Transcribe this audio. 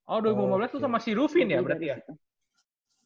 oh dua ribu lima belas tuh sama si rufin ya berarti ya